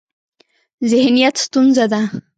ذهنیت ستونزه ده.